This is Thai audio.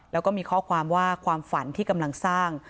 แล้วก็มีข้อความว่าความฝันที่กำลังสร้าง